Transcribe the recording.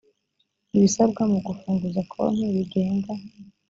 ibisabwa mu gufunguza konti bigenga